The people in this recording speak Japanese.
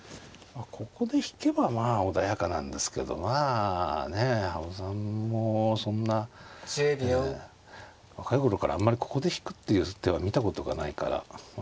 ここで引けばまあ穏やかなんですけどまあねえ羽生さんもそんなええ若い頃からあんまりここで引くっていう手は見たことがないから取ってくでしょうね。